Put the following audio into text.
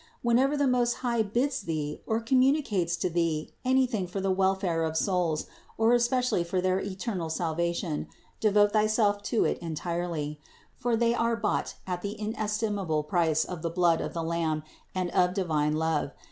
Whenever the Most High bids thee or communicates to thee anything for the welfare of souls, or especially for their eternal salvation, devote thyself to it entirely; for they are bought at the in estimable price of the blood of the Lamb and of divine love.